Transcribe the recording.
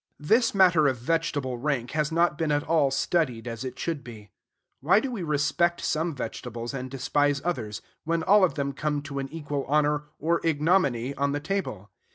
This matter of vegetable rank has not been at all studied as it should be. Why do we respect some vegetables and despise others, when all of them come to an equal honor or ignominy on the table?